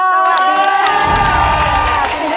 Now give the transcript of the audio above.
สวัสดีค่ะ